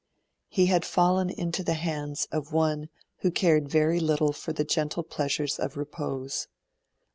He had fallen into the hands of one who cared very little for the gentle pleasures of repose.